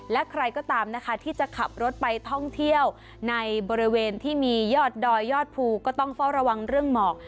และใครก็ตามนะคะที่จะขับรถไปท่องเที่ยวในบริเวณที่มียอดดอยยอดภูก็ต้องเฝ้าระวังเรื่องหมอก